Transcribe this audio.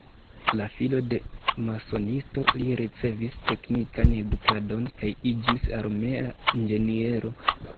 La filo de masonisto, li ricevis teknikan edukadon kaj iĝis armea inĝeniero.